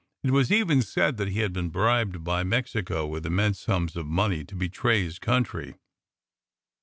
It was even said that he had been bribed by Mexico with immense sums of money to betray his country.